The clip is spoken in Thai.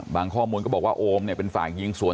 ข้อมูลก็บอกว่าโอมเนี่ยเป็นฝ่ายยิงสวน